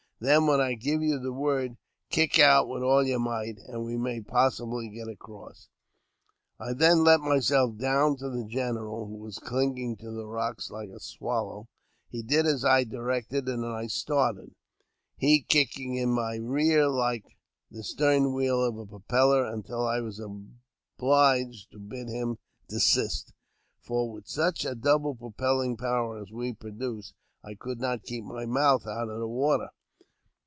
Then, when I give you the word, kick out with all your might, and we may possibly get across." I then let myself down to the general, who was clinging to the rocks like a swallow. He did as I had directed, and I started, he kicking in my rear like the stern wheel of a propeller, until I was obliged to bid him desist ; for, with such a double propelling power as we produced, I could not keep my mouth out of water.